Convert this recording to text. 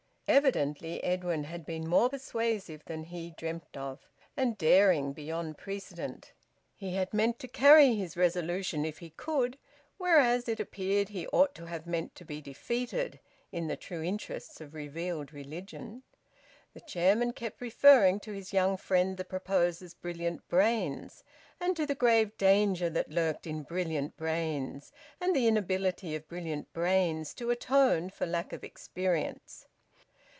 Evidently Edwin had been more persuasive than he dreamt of; and daring beyond precedent. He had meant to carry his resolution if he could, whereas, it appeared, he ought to have meant to be defeated, in the true interests of revealed religion. The chairman kept referring to his young friend the proposer's brilliant brains, and to the grave danger that lurked in brilliant brains, and the inability of brilliant brains to atone for lack of experience.